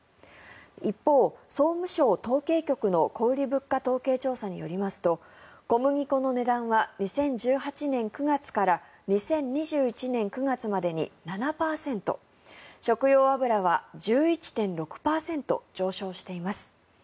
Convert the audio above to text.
一方、総務省統計局の小売物価統計調査によりますと小麦粉の値段は２０１８年９月から２０２１年９月までに７％食用油は１１．６％上昇しています。